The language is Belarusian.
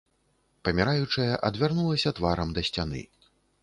Паміраючая адвярнулася тварам да сцяны.